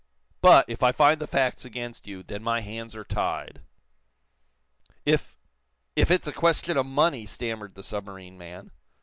"But, if I find the facts against you, then my hands are tied." "If if it's a question of money " stammered the submarine man.